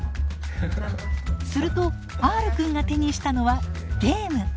するとＲくんが手にしたのはゲーム。